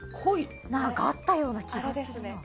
何かあったような気が。